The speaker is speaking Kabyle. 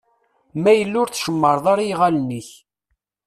Ma yella ur tcemreḍ ara i yiɣalen-ik.